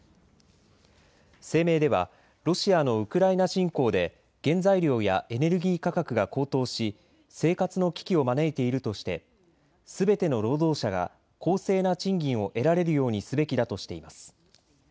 声明ではロシアのウクライナ侵攻で原材料やエネルギー価格が高騰し生活の危機を招いているとしてすべての労働者が公正な賃金を得られるようにすべきだとしています。